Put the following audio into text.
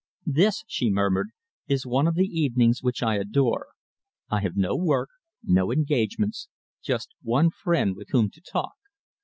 "This," she murmured, "is one of the evenings which I adore. I have no work, no engagements just one friend with whom to talk.